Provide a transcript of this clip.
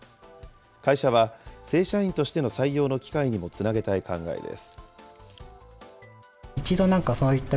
会社は正社員としての採用の機会にもつなげたい考えです。